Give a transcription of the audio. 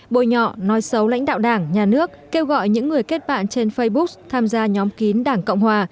bôi nhọ nói xấu lãnh đạo đảng nhà nước kêu gọi những người kết bạn trên facebook tham gia nhóm kín đảng cộng hòa